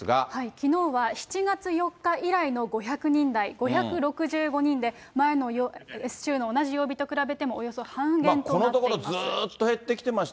きのうは７月４日以来の５００人台、５６５人で、前の週の同じ曜日と比べてもおよそ半減となっています。